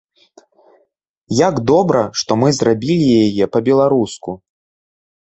Як добра, што мы зрабілі яе па-беларуску!